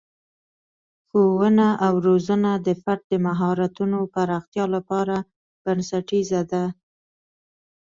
ښوونه او روزنه د فرد د مهارتونو پراختیا لپاره بنسټیزه ده.